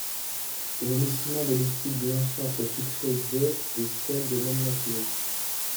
Aux vomissements de liquide blanchâtre succédaient des selles de même nature.